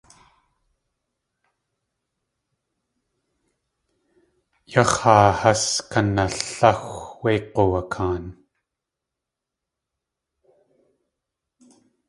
Yax̲ yaa has yanaláxw wé g̲uwakaan.